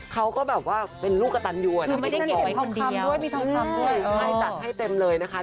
เขาก็แบบว่าเป็นลูกกระตันอยู่อะนะมีทั้งสามด้วยให้จัดให้เต็มเลยนะคะ